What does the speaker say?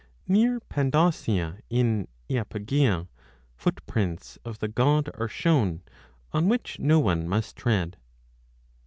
Near Pandosia in lapygia footprints of the god are shown, on which no one must tread.